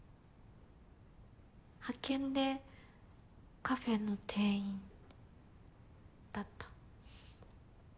派遣でカフェの店員だった。